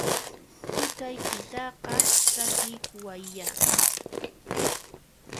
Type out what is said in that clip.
T'ikaykitaqa rakiykuwayyá!